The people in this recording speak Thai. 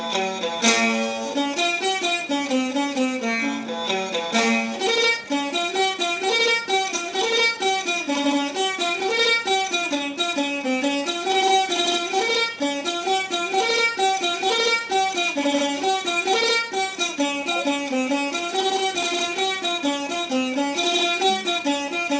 เป็นไงนะลูก